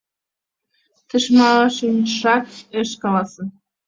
Тичмашынжак ыш каласе.